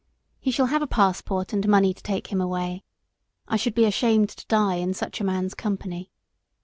He shall have a passport and money to take him away. I should be ashamed to die in such a man's company.